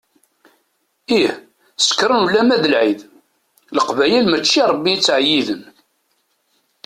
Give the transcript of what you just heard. Ih, sekkṛen ulamma d lεid, Leqbayel mačči i Rebbi i ttεeyyiden.